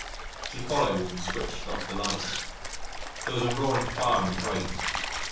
She followed and switched off the light. There was a roaring fire in the grate.